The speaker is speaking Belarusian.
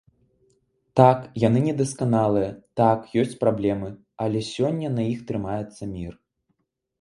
Так, яны недасканалыя, так, ёсць праблемы, але сёння на іх трымаецца мір.